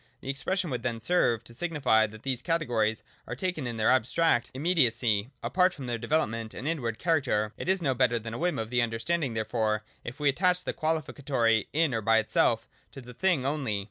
The expression would then serve to signify that these categories are taken in their abstract immediacy, apart from their development and inward character. It is no better than a whim of the understanding, therefore, if we attach the qualificatory 'in or by itself to the thing only.